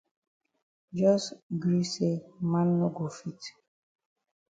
Jos gree say man no go fit.